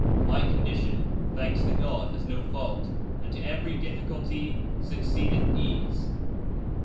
My condition, thanks to God, has no fault, and "to every difficulty succeedeth ease."